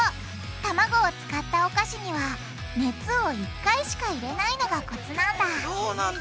たまごを使ったお菓子には熱を１回しか入れないのがコツなんだそうなんだ！